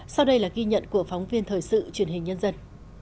sau đây là ghi nhận của phóng viên thời sự truyền hình nhân dân